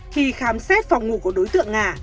khi khám xét phòng ngủ của đối tượng ngà